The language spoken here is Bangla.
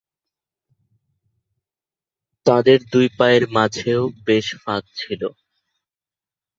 তাঁদের দুই পায়ের মাঝেও বেশ ফাঁক ছিল।